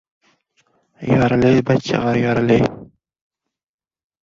Yoril-ye, bachchag‘ar, yoril-ye!